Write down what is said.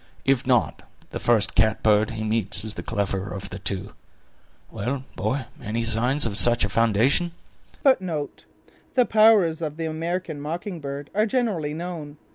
If not, the first catbird he meets is the cleverer of the two. Well, boy, any signs of such a foundation?" The powers of the American mocking bird are generally known.